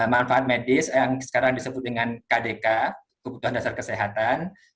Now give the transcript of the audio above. manfaat medis yang sekarang disebut dengan kdk kebutuhan dasar kesehatan